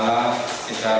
di rumah sakit